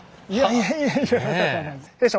いやいや。